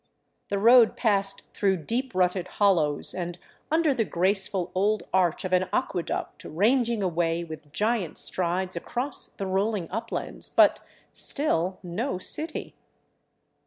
The road passed through deep rutted hollows and under the graceful old arch of an aqueduct ranging away with giant strides across the rolling uplands; but still no city.